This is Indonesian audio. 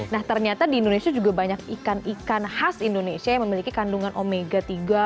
nah ternyata di indonesia juga banyak ikan ikan khas indonesia yang memiliki kandungan omega tiga